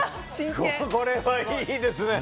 これはいいですね